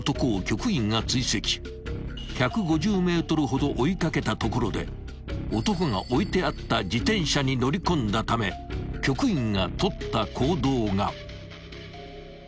［１５０ｍほど追い掛けたところで男が置いてあった自転車に乗り込んだため局員が取った行動が］